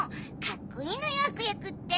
かっこいいのよ悪役って！